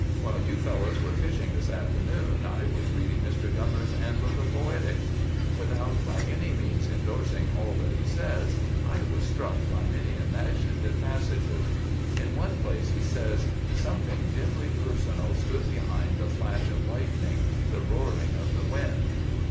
While you fellows were fishing this afternoon, I was reading Mr. Gummere's Handbook of Poetics. Without by any means indorsing all that he says, I was struck by many imaginative passages. In one place he says, 'Something dimly personal stood behind the flash of lightning, the roaring of the wind.